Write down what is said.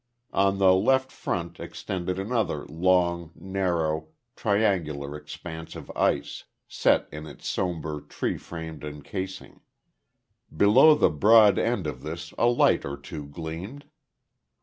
On the left front extended another long, narrow, triangular expanse of ice; set in its sombre, tree framed encasing. Below the broad end of this a light or two gleamed.